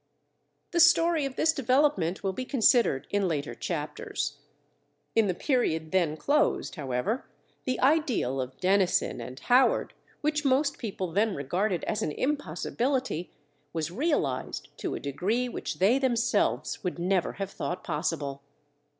The story of this development will be considered in later chapters. In the period then closed, however, the ideal of Dennison and Howard, which most people then regarded as an impossibility, was realized to a degree which they themselves would never have thought possible.